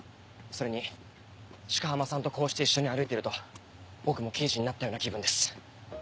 それに鹿浜さんとこうして一緒に歩いてると僕も刑事になったような気分です。